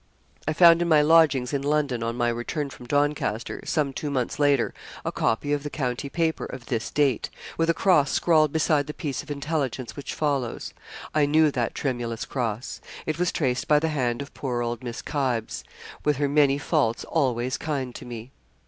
I found in my lodgings in London, on my return from Doncaster, some two months later, a copy of the county paper of this date, with a cross scrawled beside the piece of intelligence which follows. I knew that tremulous cross. It was traced by the hand of poor old Miss Kybes with her many faults always kind to me.